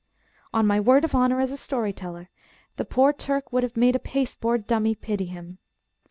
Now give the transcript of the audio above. On my word of honour as a story teller, the poor Turk would have made a paste board dummy pity him.